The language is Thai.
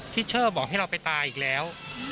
เชอร์บอกให้เราไปตายอีกแล้ว